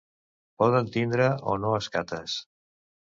Poden tindre o no escates.